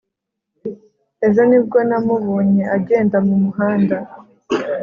Ejo nibwo namubonye agenda mumuhanda